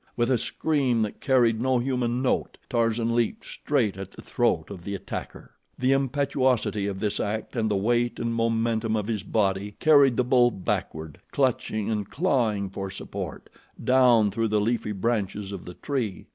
With a scream that carried no human note, Tarzan leaped straight at the throat of the attacker. The impetuosity of this act and the weight and momentum of his body carried the bull backward, clutching and clawing for support, down through the leafy branches of the tree.